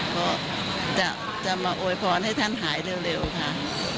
เพราะจะมาโอยพรให้ท่านหายเร็วค่ะ